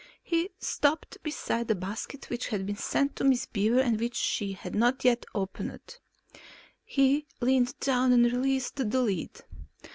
He stopped beside the basket which had been sent to Miss Beaver and which she had not yet opened. He leaned down and released the lid.